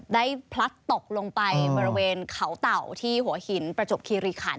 พลัดตกลงไปบริเวณเขาเต่าที่หัวหินประจบคีรีขัน